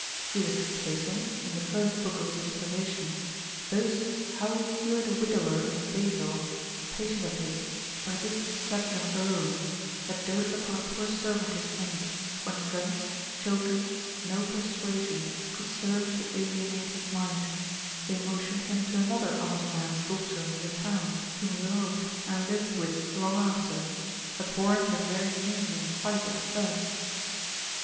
Felix Plater, in the first book of his observations, boasts how he cured a widower in Basil, a patient of his, by this stratagem alone, that doted upon a poor servant his maid, when friends, children, no persuasion could serve to alienate his mind: they motioned him to another honest man's daughter in the town, whom he loved, and lived with long after, abhorring the very name and sight of the first.